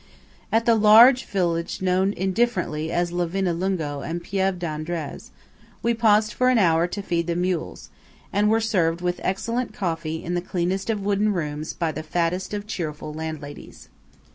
At the large village known indifferently as Livinallungo and Pieve d'Andraz, we paused for an hour to feed the mules, and were served with excellent coffee in the cleanest of wooden rooms by the fattest of cheerful landladies.